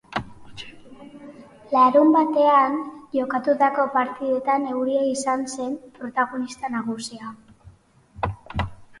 Larunbatean jokatutako partidetan euria izan zen protagonista nagusia.